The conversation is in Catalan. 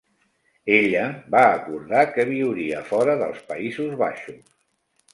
Ella va acordar que viuria fora dels Països Baixos.